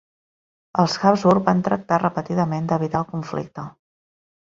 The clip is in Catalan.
Els Habsburg van tractar repetidament d'evitar el conflicte.